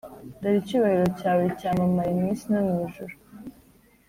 Dore icyubahiro cyawe cyamamaye mu isi no mu ijuru